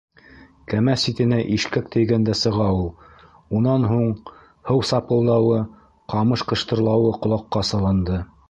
Кәмә ситенә ишкәк тейгәндә сыға ул. Унан һуң һыу сапылдауы, ҡамыш ҡыштырлауы ҡолаҡҡа салынды.